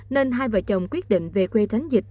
nên hai vợ chồng quyết định về quê tránh dịch